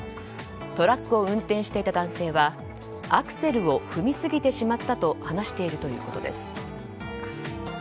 トラックを運転していた男性はアクセルを踏みすぎてしまったと話しているということです。